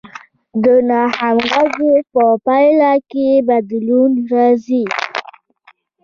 د ناهمغږۍ په پایله کې بدلون راځي.